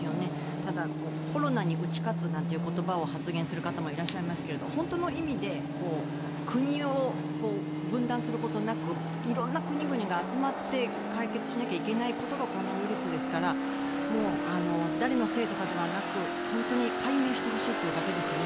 ただ、コロナに打ち勝つなんて言葉を発言する方もいらっしゃいますけれど本当の意味で国を分断することなく色んな国々が集まって解決しなきゃいけないことがコロナウイルスですから誰のせいとかではなくて本当に解明してほしいというだけですよね。